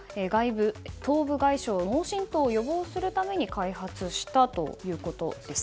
頭部外傷、脳振とうを予防するために開発したということです。